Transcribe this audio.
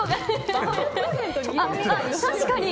確かに。